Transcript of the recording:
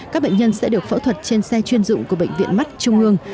các bệnh nhân sẽ được phẫu thuật trên xe chuyên dụng của bệnh viện mắt trung ương